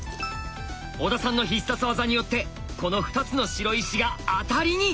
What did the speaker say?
小田さんの必殺技によってこの２つの白石がアタリに！